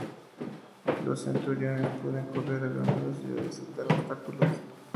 Los centuriones pueden correr a gran velocidad y saltar obstáculos.